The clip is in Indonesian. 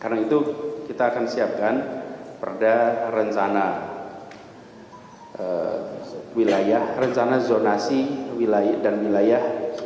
karena itu kita akan siapkan perda rencana wilayah rencana zonasi dan wilayah